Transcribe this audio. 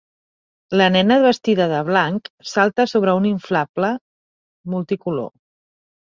La nena vestida de blanc salta sobre un inflable multicolor.